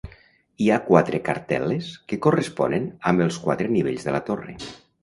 Hi ha quatre cartel·les que corresponen amb els quatre nivells de la torre.